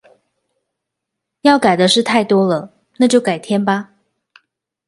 要改的事太多了，那就改天吧